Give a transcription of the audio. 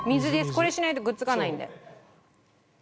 これしないとくっつかないので。